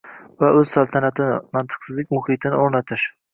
va o‘z saltanatini – mantiqsizlik muhitini o‘rnatish.